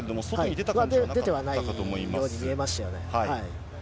出てはないように見えましたよね。